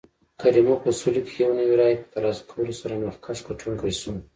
کریموف په سلو کې یو نوي رایې په ترلاسه کولو سره مخکښ ګټونکی شو.